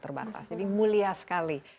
terbatas jadi mulia sekali